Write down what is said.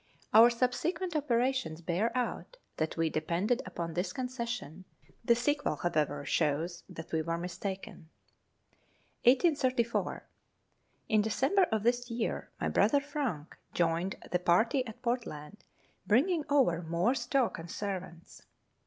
Our subsequent operations bear out that we depended upon this concession; the sequel, however, shows that we were mistaken. 1834. In December of this year my brother Frank joined the party at Portland, bringing over more stock and servants.